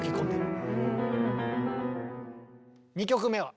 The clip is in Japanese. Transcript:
２曲目は？